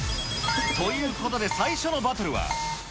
ということで、最初のバトルは。